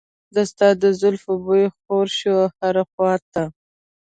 د ستا د زلفو بوی خور شو هر لور ته.